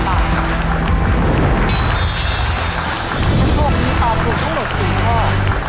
ถ้าตอบถูกถึงทั้งหมด๔ข้อ